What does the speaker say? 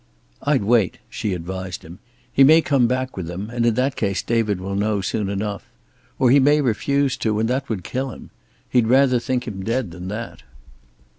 "I'd wait," she advised him. "He may come back with them, and in that case David will know soon enough. Or he may refuse to, and that would kill him. He'd rather think him dead than that."